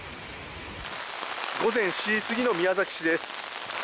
午前７時過ぎの宮崎市です。